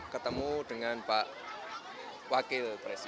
ketemu dengan pak wakil presiden